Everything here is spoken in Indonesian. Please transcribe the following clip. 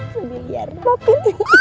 sembiar mbak mir